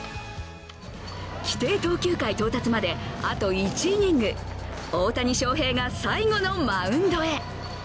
規定投球回到達まであと１イニング、大谷翔平が最後のマウンドへ。